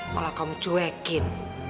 malah kamu cuekin